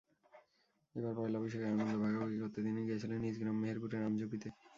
এবার পয়লা বৈশাখের আনন্দ ভাগাভাগি করতে তিনি গিয়েছিলেন নিজ গ্রাম মেহেরপুরের আমঝুপিতে।